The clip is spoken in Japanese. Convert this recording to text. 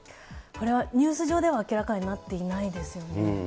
これはニュース上では明らかになっていないですよね。